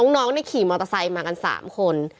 น้องขี่มอเตอร์ไซค์มากัน๓คน